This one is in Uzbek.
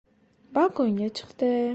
Balkonga chiqdi.